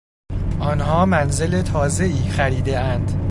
آنها منزل تازهای خریدهاند.